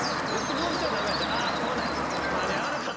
ああ友達。